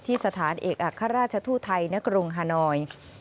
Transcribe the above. ที่สถานเอกอักษรราชทุทธัยณกรุงฮานอย